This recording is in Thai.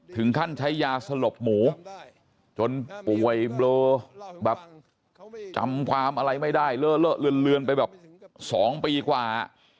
ถึงขั้นใช้ยาสลบหมูจนป่วยเบลอแบบจำความอะไรไม่ได้เลอะเลือนไปแบบ๒ปีกว่า